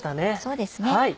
そうですね。